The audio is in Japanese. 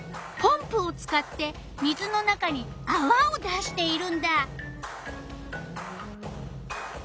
ポンプを使って水の中にあわを出しているんだ。